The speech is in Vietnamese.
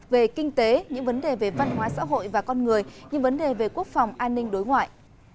về kinh tế những vấn đề về văn hóa xã hội và con người như vấn đề về quốc phòng an ninh đối ngoại